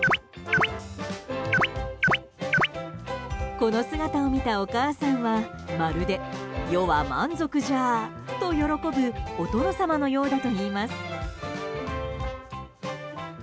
この姿を見たお母さんはまるで、余は満足じゃと喜ぶお殿様のようだといいます。